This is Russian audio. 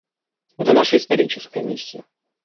Это наша историческая миссия.